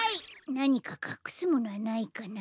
なにかかくすものはないかな。